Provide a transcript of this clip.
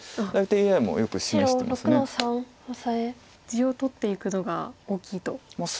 地を取っていくのが大きいと。